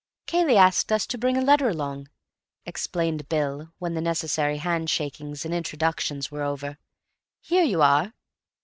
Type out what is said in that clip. "Cayley asked us to bring a letter along," explained Bill, when the necessary handshakings and introductions were over. "Here you are."